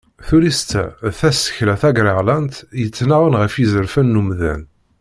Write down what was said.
Tullist-a d tasekla tagreɣlant yettnaɣen ɣef yizerfan n umdan.